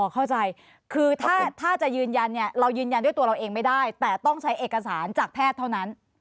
เข้าใจคือถ้าจะยืนยันเนี่ยเรายืนยันด้วยตัวเราเองไม่ได้แต่ต้องใช้เอกสารจากแพทย์เท่านั้น